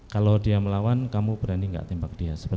kalau dia melawan kamu berani enggak tembak dia